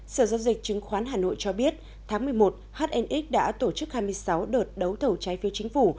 sở giao dịch chứng khoán hà nội cho biết tháng một mươi một hnx đã tổ chức hai mươi sáu đợt đấu thầu trái phiếu chính phủ